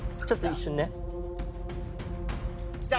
きた！